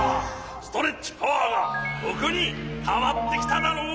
ストレッチパワーがここにたまってきただろう？